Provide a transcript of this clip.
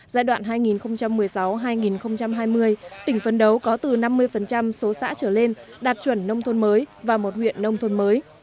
giai đoạn hai nghìn một mươi sáu hai nghìn hai mươi tỉnh phấn đấu có từ năm mươi số xã trở lên đạt chuẩn nông thôn mới